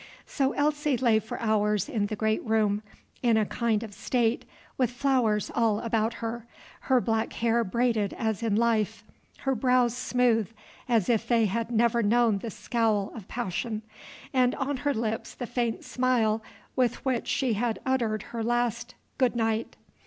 So Elsie lay for hours in the great room, in a kind of state, with flowers all about her, her black hair braided as in life, her brows smooth, as if they had never known the scowl of passion, and on her lips the faint smile with which she had uttered her last "Good night."